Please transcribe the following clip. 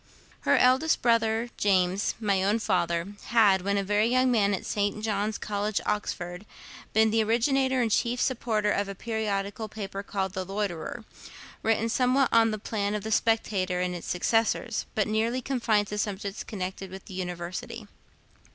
Her eldest brother James, my own father, had, when a very young man, at St. John's College, Oxford, been the originator and chief supporter of a periodical paper called 'The Loiterer,' written somewhat on the plan of the 'Spectator' and its successors, but nearly confined to subjects connected with the University.